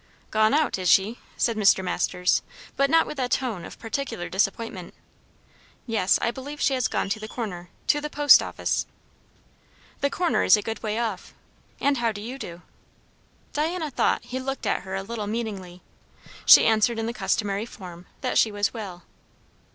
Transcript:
"Gone out, is she?" said Mr. Masters, but not with a tone of particular disappointment. "Yes. I believe she has gone to the Corner to the post office." "The Corner is a good way off. And how do you do?" Diana thought he looked at her a little meaningly. She answered in the customary form, that she was well.